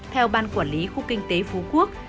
theo ban quản lý khu kinh tế phú quốc